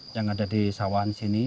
yang ada di sawan sini